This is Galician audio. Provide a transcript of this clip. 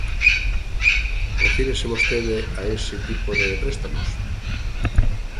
¿Refírese vostede a ese tipo de préstamos?